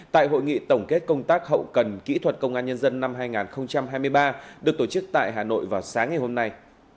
tại hội nghị tổng kết công tác hậu cần kỹ thuật công an nhân dân năm hai nghìn hai mươi ba được tổ chức tại hà nội vào sáng ngày hôm nay